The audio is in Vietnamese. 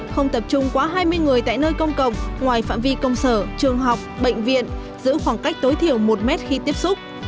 không tập trung quá hai mươi người tại nơi công cộng ngoài phạm vi công sở trường học bệnh viện giữ khoảng cách tối thiểu một mét khi tiếp xúc